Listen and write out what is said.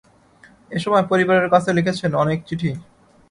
এ সময় পরিবারের কাছে লিখেছেন অনেক চিঠি।